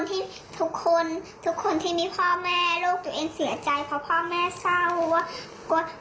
ในขณะที่ตัวเองต้องสู้กับการรักษาตัวนี้